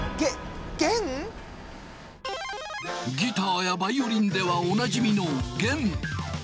ギターやバイオリンではおなじみの弦。